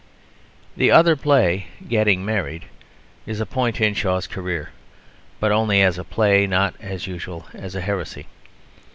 The other play, Getting Married, is a point in Shaw's career, but only as a play, not, as usual, as a heresy.